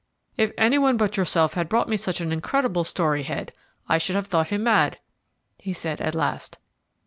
"If any one but yourself had brought me such an incredible story, Head, I should have thought him mad," he said, at last.